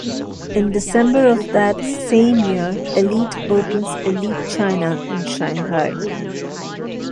In December of that same year, Elite opens Elite China in Shanghai.